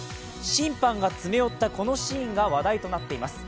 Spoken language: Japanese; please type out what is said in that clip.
審判が詰め寄ったこのシーンが話題となっています。